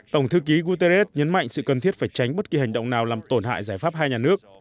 tổng thư ký guterres nhấn mạnh sự cần thiết phải tránh bất kỳ hành động nào làm tổn hại giải pháp hai nhà nước